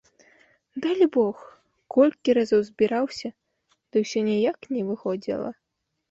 Далібог, колькі разоў збіраўся, ды ўсё ніяк не выходзіла.